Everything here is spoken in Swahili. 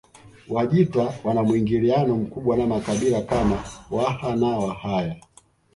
Wajita wana muingiliano mkubwa na makabila kama Waha na Wahaya